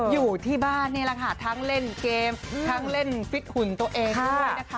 อยู่ที่บ้านนี่แหละค่ะทั้งเล่นเกมทั้งเล่นฟิตหุ่นตัวเองด้วยนะคะ